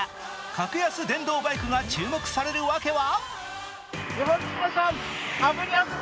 格安電動バイクが注目されるわけは。